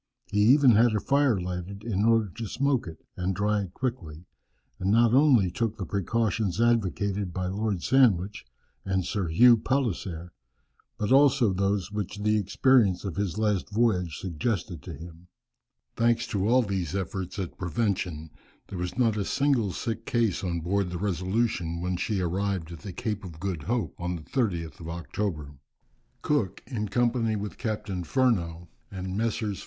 He even had a fire lighted in order to smoke it, and dry it quickly, and not only took the precautions advocated by Lord Sandwich, and Sir Hugh Palliser, but also those which the experience of his last voyage suggested to him. Thanks to all these efforts at prevention there was not a single sick case on board the Resolution when she arrived at the Cape of Good Hope on the 30th of October. Cook, in company with Captain Furneaux, and Messrs.